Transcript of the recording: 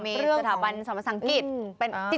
มีสถาบันสมสังกิจ